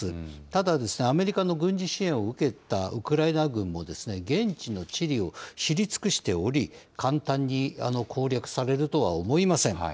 ただ、アメリカの軍事支援を受けたウクライナ軍も、現地の地理を知り尽くしており、簡単に攻略されるとは思いません。